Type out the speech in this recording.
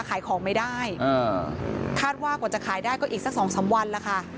ขายของไม่ได้คาดว่ากว่าจะขายได้ก็อีกสักสองสามวันแล้วค่ะ